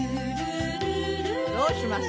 「どうします？